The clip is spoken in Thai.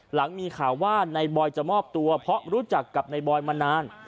หลังมีข่าวว่านายบอยจะมอบตัวเพราะรู้จักกับนายบอยมานาน